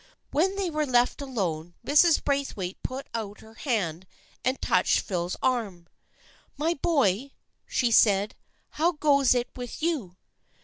When they were left alone Mrs. Braithwaite put out her hand and touched Phil's arm. " My boy," she said, " how goes it with you?"